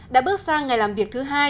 đã bước sang ngày làm việc thứ hai